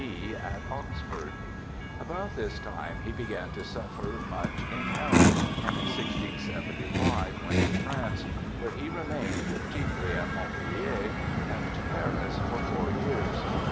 B. at Oxford. About this time he began to suffer much in health, and in 1675 went to France, where he remained, chiefly at Montpellier and Paris, for four years.